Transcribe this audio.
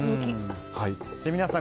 皆さん